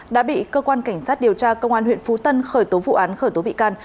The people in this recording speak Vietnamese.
đã bị cơ quan cảnh sát điều tra công an huyện phú tân khởi tố vụ án khởi tố bị can